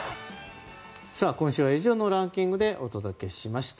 今週は以上のランキングでお届けしました。